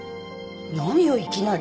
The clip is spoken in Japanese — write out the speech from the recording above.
何よいきなり。